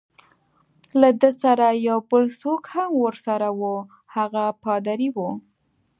له ده سره یو بل څوک هم ورسره وو، هغه پادري وو.